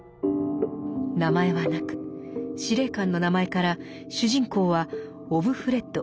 名前はなく司令官の名前から主人公は「オブフレッド」